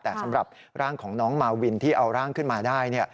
แต่สำหรับร่างของน้องมาวินที่เอาร่างขึ้นมาได้